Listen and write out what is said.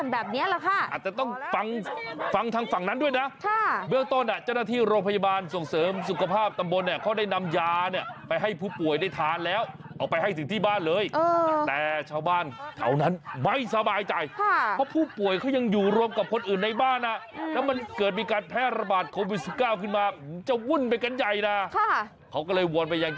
ที่เกี่ยวข้องมาช่วยดูแลหน่อยช่วยกันหาทางออกที่ดีหน่อย